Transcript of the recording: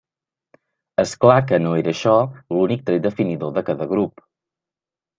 És clar que no era això l'únic tret definidor de cada grup.